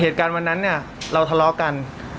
เหตุการณ์วันนั้นเนี่ยเราทะเลาะกัน